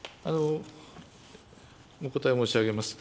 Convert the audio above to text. お答え申し上げます。